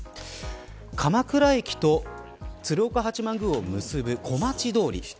鎌倉駅と鶴岡八幡宮を結ぶ小町通りです。